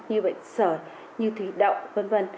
như bệnh sở như thủy động v v